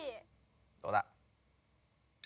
どうだ？